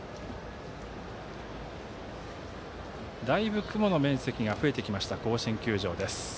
だいぶ雲の面積が増えてきた甲子園球場です。